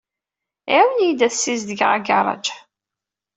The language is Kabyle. Ɛiwen-iyi ad sizedgeɣ agaraǧ.